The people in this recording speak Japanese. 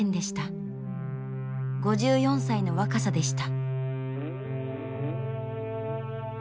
５４歳の若さでした。